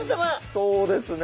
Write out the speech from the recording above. そうですね。